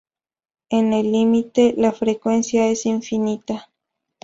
En el límite, la frecuencia es infinita.